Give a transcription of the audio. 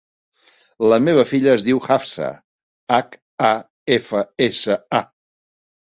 La meva filla es diu Hafsa: hac, a, efa, essa, a.